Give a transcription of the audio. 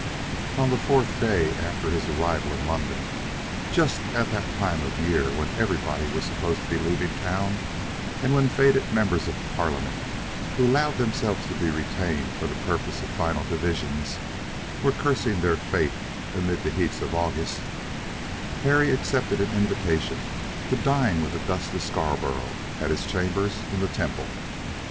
On the fourth day after his arrival in London, just at that time of the year when everybody was supposed to be leaving town, and when faded members of Parliament, who allowed themselves to be retained for the purpose of final divisions, were cursing their fate amid the heats of August, Harry accepted an invitation to dine with Augustus Scarborough at his chambers in the Temple.